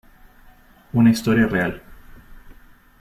Una historia real.